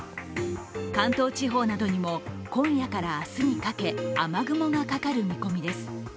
関東地方などにも今夜から明日にかけ雨雲がかかる見込みです。